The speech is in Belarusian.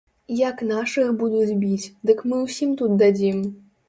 Як нашых будуць біць, дык мы ўсім тут дадзім!